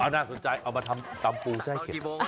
น่าสนใจเอามาทำตำปูแช่เข็ด